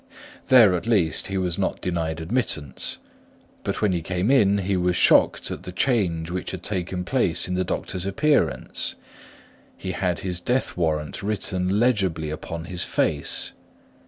There at least he was not denied admittance; but when he came in, he was shocked at the change which had taken place in the doctor's appearance. He had his death warrant written legibly upon his face.